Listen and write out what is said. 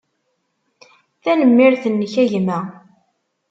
Tanemmirt-nnek, a gma.